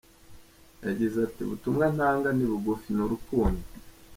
Yagize ati ” Ubutumwa ntanga ni bugufi, ni urukundo.